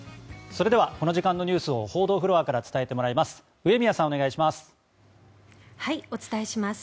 それではこの時間のニュースを報道フロアから伝えてもらいます上宮さん、お願いします。